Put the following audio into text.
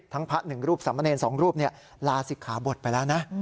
ทั้งพระ๑รูปสำเณร๒รูปลาศิกขาบทไปแล้วนะ